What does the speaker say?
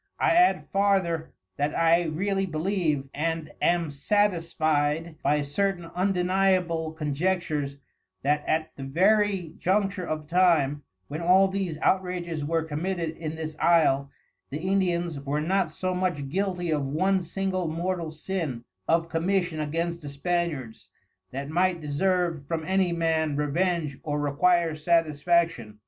I adde farther, that I really believe, and am satisfied by certain undeniable conjectures, that at the very juncture of time, when all these outrages were commited in this Isle, the Indians were not so much guilty of one single mortal sin of Commission against the Spaniards, that might deserve from any Man revenge or require satisfaction.